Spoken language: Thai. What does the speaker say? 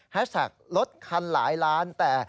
แท็กรถคันหลายล้านแต่